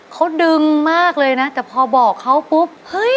เขาดึงมากเลยนะแต่พอบอกเขาปุ๊บเฮ้ย